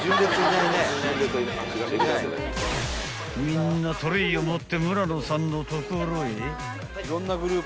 ［みんなトレーを持って村野さんのところへ］